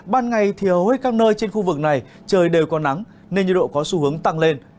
ban ngày thì hầu hết các nơi trên khu vực này trời đều có nắng nên nhiệt độ có xu hướng tăng lên